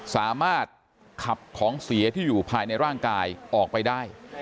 สามารถขับของเสียที่อยู่ภายในร่างกายออกไปได้